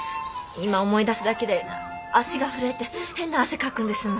今思い出すだけで足が震えて変な汗かくんですもの。